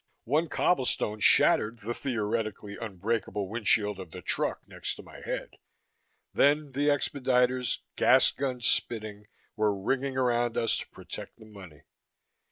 One cobblestone shattered the theoretically unbreakable windshield of the truck next to my head; then the expediters, gas guns spitting, were ringing around us to protect the money.